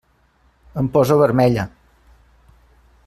Em poso vermella.